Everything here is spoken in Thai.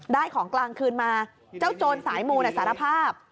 ได้ของกลางคืนมาเจ้าโจรสายมูลเนี่ยสารภาพ